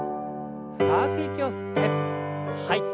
深く息を吸って吐いて。